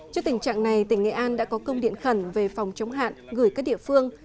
trước tình trạng này tỉnh nghệ an đã có công điện khẩn về phòng chống hạn gửi các địa phương